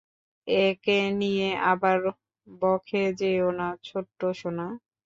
একে নিয়ে আবার বখে যেও না, ছোট্টসোনা!